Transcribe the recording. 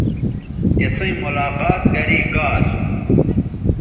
تِسئیں ملاقات گرے گا اسو